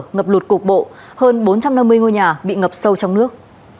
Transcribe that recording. ngập lụt cục bộ hơn bốn trăm năm mươi ngôi nhà bị ngập sâu trong nước